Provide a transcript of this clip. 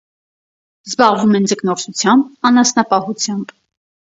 Զբաղվում են ձկնորսությամբ, անասնապահությամբ։